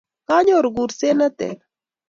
kanyoru kurset ne ter